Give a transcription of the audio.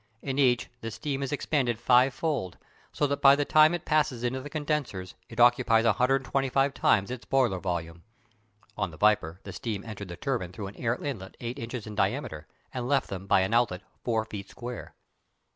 In each the steam is expanded fivefold, so that by the time it passes into the condensers it occupies 125 times its boiler volume. (On the Viper the steam entered the turbine through an inlet eight inches in diameter, and left them by an outlet four feet square.)